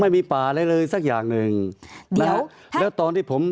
ป่าอะไรเลยสักอย่างหนึ่งแล้วแล้วตอนที่ผม